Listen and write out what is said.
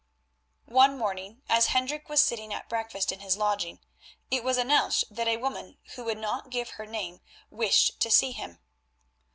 One morning, as Hendrik was sitting at breakfast in his lodging, it was announced that a woman who would not give her name, wished to see him.